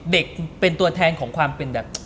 เด็กเป็นตัวแทนของความอเลิศ